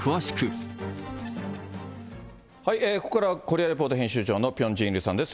ここからはコリア・レポート編集長のピョン・ジンイルさんです。